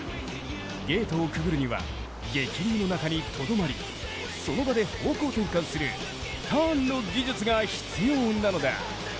ゲートをくぐるには、激流の中にとどまりその場で方向転換するターンの技術が必要なのだ。